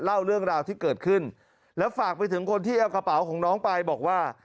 เล่าเรื่องราวที่เกิดขึ้นแล้วฝากไปถึงคนที่เอากระเป๋าของน้องไปบอกว่า